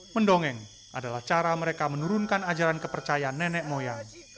mendongeng adalah cara mereka menurunkan ajaran kepercayaan nenek moyang